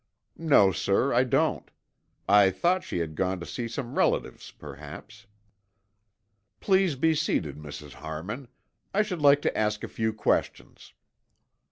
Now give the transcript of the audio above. "No, sir. I don't. I thought she had gone to see some relatives, perhaps." "Please be seated, Mrs. Harmon. I should like to ask a few questions."